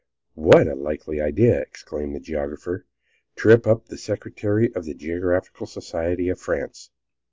"What a likely idea!" exclaimed the geographer. "Trip up the Secretary of the Geographical Society of France."